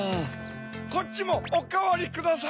こっちもおかわりください！